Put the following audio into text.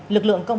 lực lượng công an